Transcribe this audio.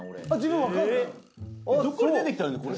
どっから出てきたの？